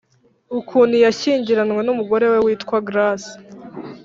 ukuntu yashyingiranwe n’umugore we witwa grace